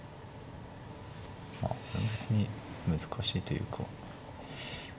まあこれ別に難しいというか。